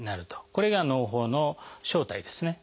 これがのう胞の正体ですね。